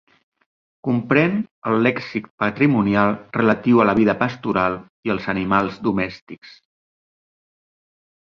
Comprèn el lèxic patrimonial relatiu a la vida pastoral i els animals domèstics.